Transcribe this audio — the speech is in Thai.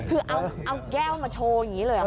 คือเอาแก้วมาโชว์อย่างนี้เลยเหรอ